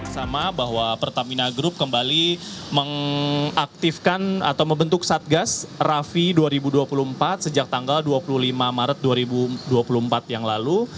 sama bahwa pertamina group kembali mengaktifkan atau membentuk satgas rafi dua ribu dua puluh empat sejak tanggal dua puluh lima maret dua ribu dua puluh empat yang lalu